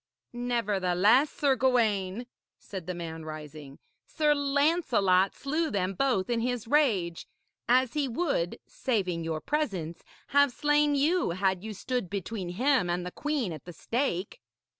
'Nevertheless, Sir Gawaine,' said the man, rising, 'Sir Lancelot slew them both in his rage. As he would saving your presence have slain you had you stood between him and the queen at the stake.'